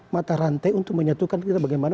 mata rantai untuk menyatukan kita bagaimana